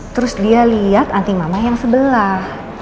terus dia liat anting mama yang sebelah